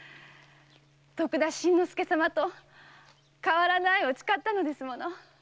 徳田新之助様と変わらぬ愛を誓ったのですもの。